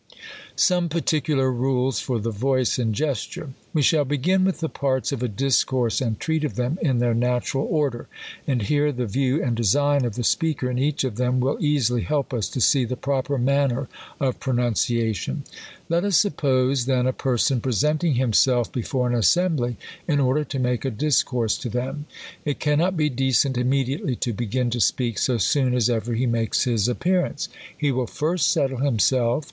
Some PARTICULAR RULES tor the VOICE AND GESTURE. WE shall begin with the parts of a discourse, and treat of them in their natural order. And here the view and design of the speaker in eaoh of them will easily help us to see the proper manner of pronuncia atiofl. THE COLUMEJAN ORATOR. 25 aiioj. Let us suppose then a person presenting him selt' before an assembly, in order to make a discourse to tliem. It cannot be decent immediately to begin to speak so soon as ever he makes his appearance. He will first settle himself, com.